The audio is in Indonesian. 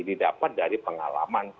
didapat dari pengalaman